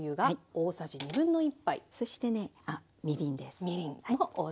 そしてねみりんです。